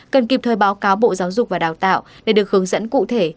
cần kịp thời báo cáo bộ giáo dục và đào tạo để được hướng dẫn cụ thể